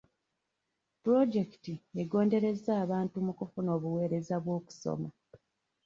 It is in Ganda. Puloojekiti egonderezza abantu mu kufuna obuweereza bw'okusoma.